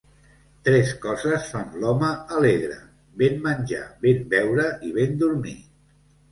Tres coses fan l'home alegre: ben menjar, ben beure i ben dormir.